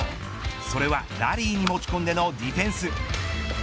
それは、ラリーにもち込んでのディフェンス。